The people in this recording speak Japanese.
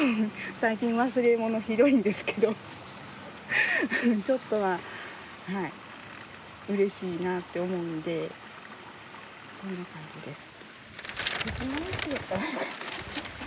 最近忘れ物ひどいんですけどちょっとはうれしいなって思うんでそんな感じです。